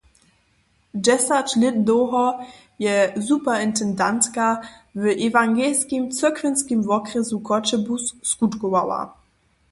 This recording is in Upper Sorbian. Dźesać lět dołho je superintendentka w ewangelskim cyrkwinskim wokrjesu Choćebuz skutkowała.